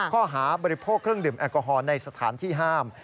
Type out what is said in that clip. ข้อหาบริโภคเครื่องดื่มแอลกอฮอล์ในสถานที่ห้าม